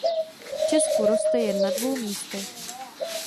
V Česku roste jen na dvou místech.